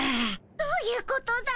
どういうことだい？